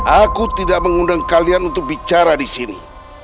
aku tidak mengundang kalian untuk bicara disini